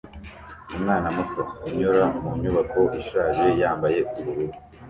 Umwana muto unyura mu nyubako ishaje yambaye ubururu